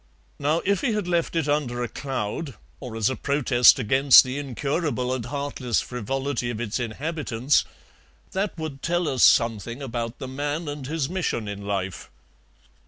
Now if he had left it under a cloud, or as a protest against the incurable and heartless frivolity of its inhabitants, that would tell us something about the man and his mission in life."